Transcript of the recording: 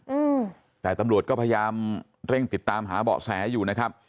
อืมแต่ตำรวจก็พยายามเร่งติดตามหาเบาะแสอยู่นะครับ